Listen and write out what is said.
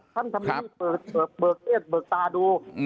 ท่านทำงานที่เปิดเกลียดเปิดตาดู